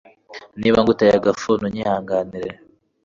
niba nguteye agafuni unyihanganire